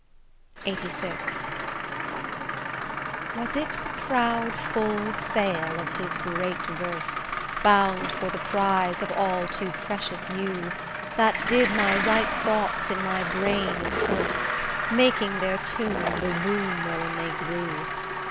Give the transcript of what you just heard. LXXXVI Was it the proud full sail of his great verse, Bound for the prize of all too precious you, That did my ripe thoughts in my brain inhearse, Making their tomb the womb wherein they grew?